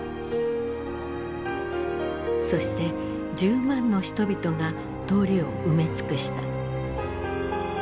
そして１０万の人々が通りを埋め尽くした。